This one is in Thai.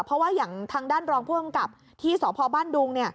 เพราะว่าอย่างทางด้านรองพลังกับที่สพดุง